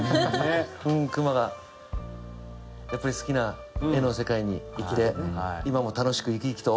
クマがやっぱり好きな絵の世界に行って今も楽しく生き生きと。